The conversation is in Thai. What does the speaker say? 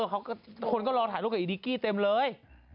เออคนลองถ่ายรูปกับอีกนิกกี้เต็มเลย